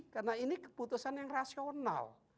karena ini keputusan yang rasional